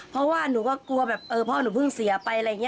เพราะว่าหนูก็กลัวแบบเออพ่อหนูเพิ่งเสียไปอะไรอย่างนี้